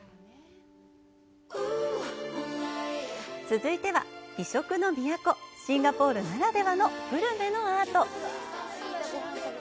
続いては、美食の都・シンガポールならではのグルメのアート。